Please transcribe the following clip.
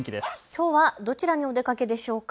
きょうはどちらにお出かけでしょうか。